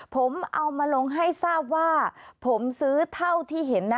ผมเอามาลงให้ทราบว่าผมซื้อเท่าที่เห็นนะ